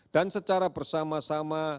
dan secara bersama sama